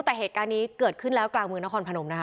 แต่เหตุการณ์นี้เกิดขึ้นแล้วกลางเมืองนครพนมนะคะ